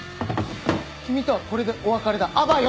君とはこれでお別れだあばよ！